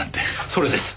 それです。